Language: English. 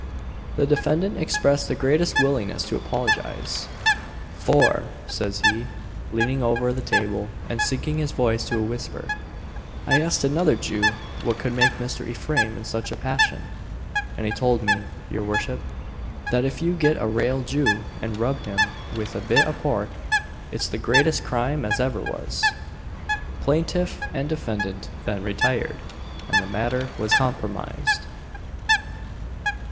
The defendant expressed the greatest willingness to apologise "For," says he, leaning over the table, and sinking his voice to a whisper, "I asked another Jew what could make Mr. Ephraim in such a passion, and he told me, your worship, that if you get a rale Jew and rub him with a bit o' pork, it's the greatest crime as ever was." Plaintiff and defendant then retired, and the matter was compromised.